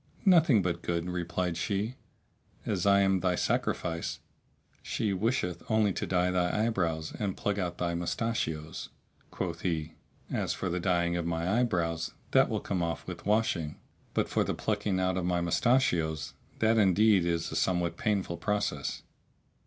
"Nothing but good," replied she, "as I am thy sacrifice! She wisheth only to dye thy eyebrows and pluck out thy mustachios." Quoth he, "As for the dyeing of my eye brows, that will come off with washing,[FN#645] but for the plucking out of my mustachios, that indeed is a somewhat painful process."